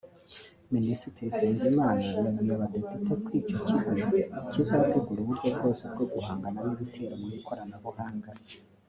Minisitiri Nsengimana yabwiye abadepite ko icyo kigo kizategura uburyo bwose bwo guhangana n’ibitero mu ikoranabuhanga